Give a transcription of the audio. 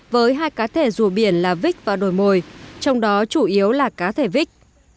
với hai cá thể rùa biển là vích và đồi mồi trong đó chủ yếu là cá thể vích